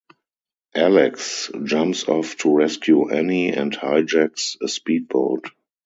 Alex jumps off to rescue Annie and hijacks a speed boat.